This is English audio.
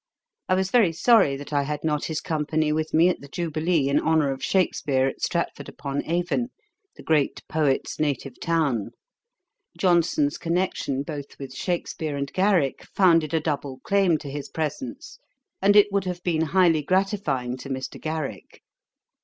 I was very sorry that I had not his company with me at the Jubilee, in honour of Shakspeare, at Stratford upon Avon, the great poet's native town. Johnson's connection both with Shakspeare and Garrick founded a double claim to his presence; and it would have been highly gratifying to Mr. Garrick.